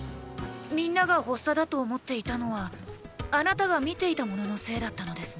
みんなが発作だと思っていたのはあなたが見ていたもののせいだったのですね。